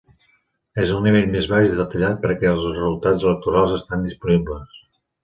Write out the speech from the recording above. És el nivell més baix detallat per què els resultats electorals estan disponibles.